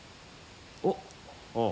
おっ！